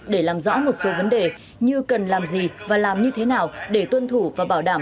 để làm rõ một số vấn đề như cần làm gì và làm như thế nào để tuân thủ và bảo đảm